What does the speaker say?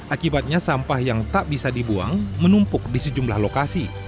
akibatnya sampah yang tak bisa dibuang menumpuk di sejumlah lokasi